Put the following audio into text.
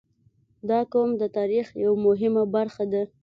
• دا قوم د تاریخ یوه مهمه برخه ده.